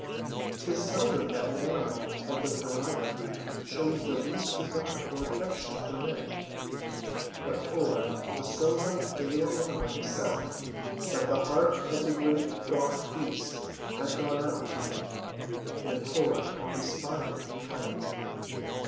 'Tis seldom that an animal of the pariah breed shows the least regard or affection for men. But Tor was so like a little animal himself that the heart of the great, gaunt beast had gone out to him. And Tor responded in kind.